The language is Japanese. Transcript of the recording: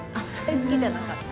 好きじゃなかった。